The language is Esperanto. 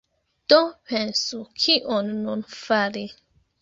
Do pensu, kion nun fari.